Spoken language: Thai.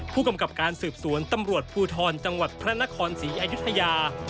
ผู้กำกับการสืบสวนตำรวจภูทรจังหวัดพระนครศรีอยุธยา